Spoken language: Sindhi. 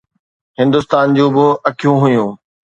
هندستان جون به اکيون هيون.